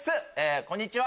こんにちは。